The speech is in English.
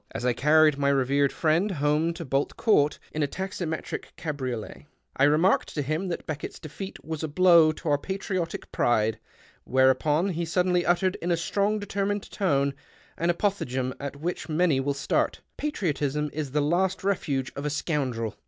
As I carried my revered friend home to Bolt Court in a taximetric cabriolet, I remarked to him that Beckett's defeat was a blow to our patriotic pride, whereupon he suddenly uttered, in a strong, determined tone, an apophthegm at which many will start :—" Patriotism is the last refuge of a scoundrel